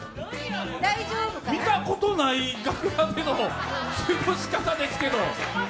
見たことない楽屋での過ごし方ですけれども。